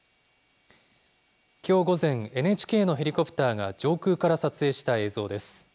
きょう午前、ＮＨＫのヘリコプターが上空から撮影した映像です。